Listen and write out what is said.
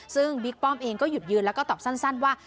ซึ่งบิ๊กป้อมเองก็หยุดยืนแล้วก็ตอบสั้นว่า